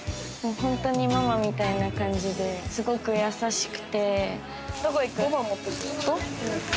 本当にママみたいな感じですごく優しくて。